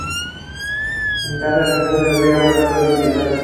En cada episodio habrá un actor invitado.